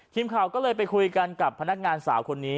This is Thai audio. ทีมข่าวก็เลยไปคุยกันกับพนักงานสาวคนนี้